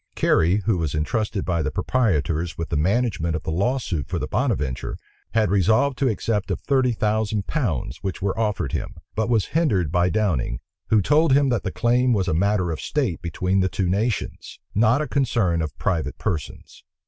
Cary who was intrusted by the proprietors with the management of the lawsuit for the Bonaventure, had resolved to accept of thirty thousand pounds, which were offered him; but was hindered by Downing, who told him that the claim was a matter of state between the two nations, not a concern of private persons.